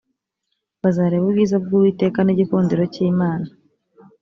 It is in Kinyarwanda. bazareba ubwiza bw’uwiteka n’igikundiro cy’imana